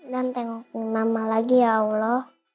dan tengokin mama lagi ya allah